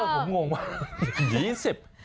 อ้าวผมงงมาก